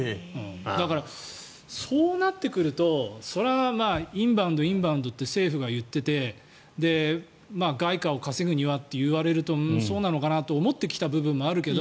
だからそうなってくるとインバウンドと政府が言っていて外貨を稼ぐにはと言われるとそうなのかなと思ってきた部分もあるけど。